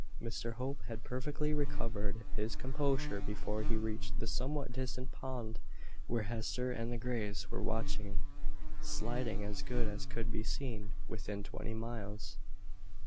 Mr Hope had perfectly recovered his composure before he reached the somewhat distant pond where Hester and the Greys were watching sliding as good as could be seen within twenty miles.